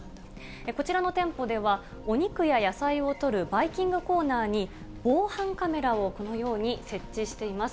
こちらの店舗では、お肉や野菜を取るバイキングコーナーに、防犯カメラをこのように設置しています。